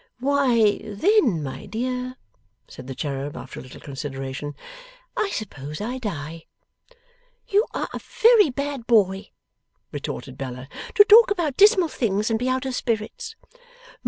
'Why then, my dear,' said the cherub, after a little consideration, 'I suppose I die.' 'You are a very bad boy,' retorted Bella, 'to talk about dismal things and be out of spirits.